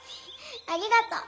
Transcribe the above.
ありがとう。